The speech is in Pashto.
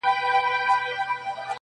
o زما خو ټوله زنده گي توره ده.